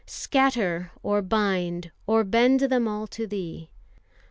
. Scatter, or bind, or bend them all to Thee!